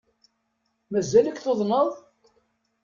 Mazal-ik tuḍneḍ?